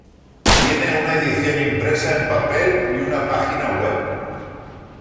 Tiene una edición impresa en papel y una página web.